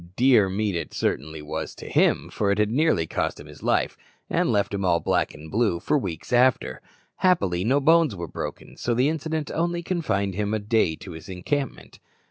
Dear meat it certainly was to him, for it had nearly cost him his life, and left him all black and blue for weeks after. Happily no bones were broken, so the incident only confined him a day to his encampment.